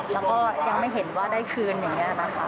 แล้วก็ยังไม่เห็นว่าได้คืนอย่างนี้นะคะ